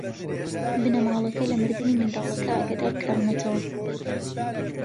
بنەماڵەکە لە مردنی منداڵەکە ئاگادار کراونەتەوە.